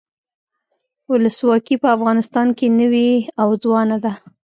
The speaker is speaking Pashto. ولسواکي په افغانستان کې نوي او ځوانه ده.